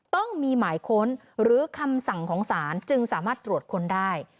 ต้องมีหมายค้นหรือคำสั่งของศาลจึงสามารถตรวจค้นได้